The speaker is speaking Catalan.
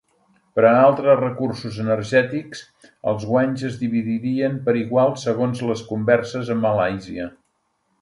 Per a altres recursos energètics, els guanys es dividirien per igual segons les converses a Malàisia.